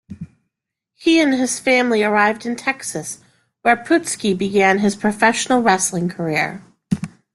He and his family arrived in Texas, where Putski began his professional wrestling career.